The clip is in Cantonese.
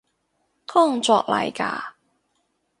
工作嚟嘎？